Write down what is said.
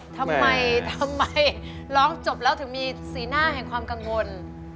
ทำไมทำไมร้องจบแล้วถึงมีสีหน้าแห่งความกังวล